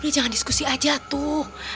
ya jangan diskusi aja tuh